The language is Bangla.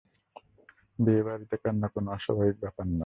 বিয়েবাড়িতে কান্না কোনো অস্বাভাবিক ব্যাপার নয়।